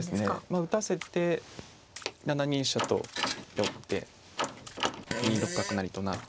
まあ打たせて７二飛車と寄って２六角成と成る。